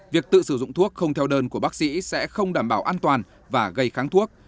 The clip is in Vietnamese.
việc tự sử dụng thuốc không theo đơn của bác sĩ sẽ không đảm bảo an toàn và gây kháng thuốc